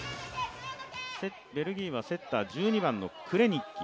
ベルギーはセッター、１２番のクレニッキ。